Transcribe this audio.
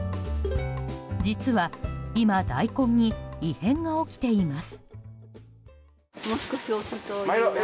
実は今大根に異変が起きています。